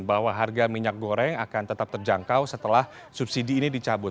bahwa harga minyak goreng akan tetap terjangkau setelah subsidi ini dicabut